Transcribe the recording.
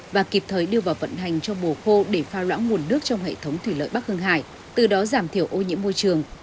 và kịp thời đưa vào vận hành cho mùa khô để pha loãng nguồn nước trong hệ thống thủy lợi bắc hương hải từ đó giảm thiểu ô nhiễm môi trường